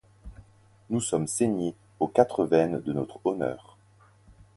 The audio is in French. Nous sommes saignés aux quatre veines de notre honneur.